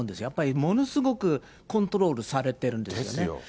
やっぱりものすごくコントロールされてるんですよね。